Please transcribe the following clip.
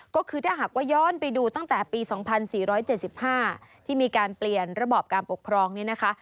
ก็คือถ้าหากว่าย้อนไปดูตั้งแต่ปี๒๔๗๕ที่มีการเปลี่ยนระบอบการปกครองเนี่ยนะคะ